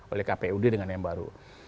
oleh kpud dengan yang baru